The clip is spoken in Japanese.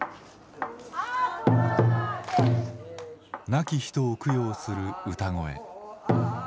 亡き人を供養する歌声。